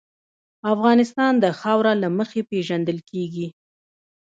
افغانستان د خاوره له مخې پېژندل کېږي.